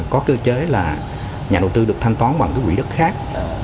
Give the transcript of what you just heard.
có cơ chế là nhà đầu tư được thanh toán bằng cái quỹ đất khác